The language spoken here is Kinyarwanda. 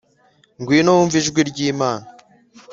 ngwino wumve ijwi ry'imana